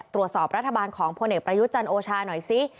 ตรวจสอบรัฐบาลของพประยุจันโอชาหน่อยสิ